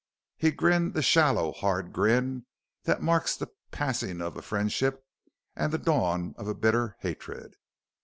He grinned the shallow, hard grin that marks the passing of a friendship and the dawn of a bitter hatred.